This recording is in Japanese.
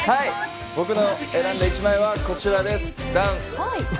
僕の選んだ一枚はこちらです。